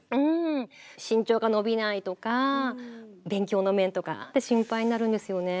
身長が伸びないとか勉強の面とか心配になるんですよね。